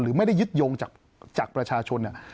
หรือไม่ได้ยึดยงจากประชาชน